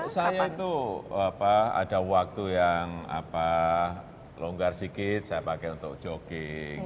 saya itu ada waktu yang longgar sikit saya pakai untuk jogging